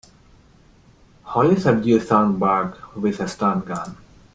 Holly subdues Thornburg with a stun gun.